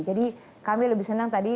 jadi kami lebih senang tadi